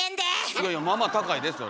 いやいやまあまあ高いでそれ。